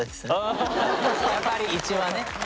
やっぱり１位はね。